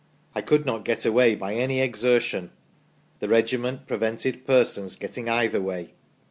I could not get away by any exertion. The regiment prevented persons getting either way